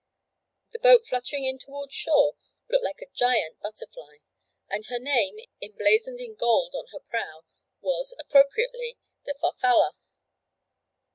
The boat fluttering in toward shore, looked like a giant butterfly; and her name, emblazoned in gold on her prow, was, appropriately, the Farfalla.